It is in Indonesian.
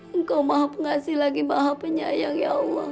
engkau maha pengasih lagi maha penyayang ya allah